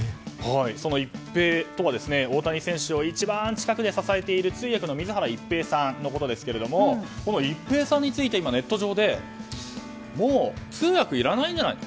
イッペイとは大谷選手を一番近くで支えている通訳の水原一平さんのことですが一平さんについて、ネット上でもう通訳いらないんじゃない？